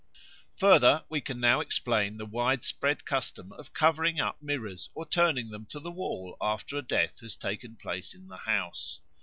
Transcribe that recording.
Further, we can now explain the widespread custom of covering up mirrors or turning them to the wall after a death has taken place in the house.